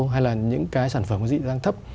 hay là những cái sản phẩm có dị đoan thấp